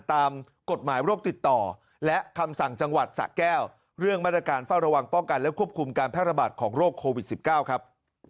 ตามกฎหมายโรคติดต่อและคำสั่งจังหวัดสะแก้วเรื่องมาตรการเฝ้าระวังป้องกันและควบคุมการแพร่ระบาดของโรคโควิด๑๙ครับ